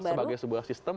padahal sebagai sebuah sistem